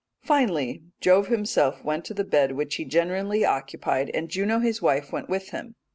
Finally Jove himself went to the bed which he generally occupied; and Jove his wife went with him.